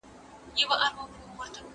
دا څوک دي چې پۀ سترګو کښې کوي سره خبرې